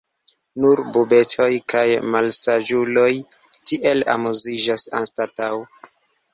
Nur bubetoj kaj malsaĝuloj tiel amuziĝas anstataŭ.